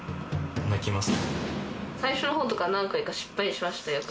泣きます。